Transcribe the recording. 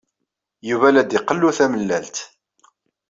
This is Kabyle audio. Yuba la d-iqellu tamellalt.